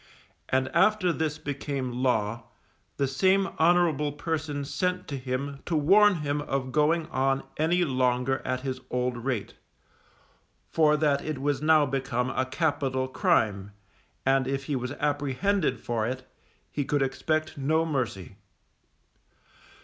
And after this became law, the same honourable person sent to him to warn him of going on any longer at his old rate, for that it was now become a capital crime, and if he was apprehended for it, he could expect no mercy.